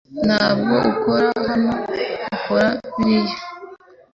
Ntabwo ukora hano uko biri